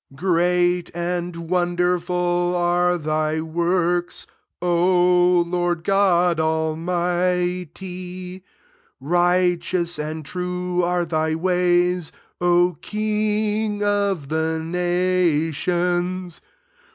Great and wonderful are thy works, O Lord God Almighty ; righteous and true are thy ways, O King of the nations.